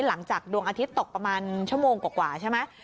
หลังจากดวงอาทิตย์ตกประมาณชั่วโมงกว่าใช่ไหม